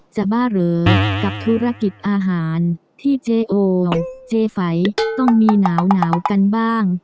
บ้าเหรอกับธุรกิจอาหารที่เจ๊โอเจ๊ไฝต้องมีหนาวกันบ้าง